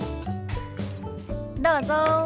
どうぞ。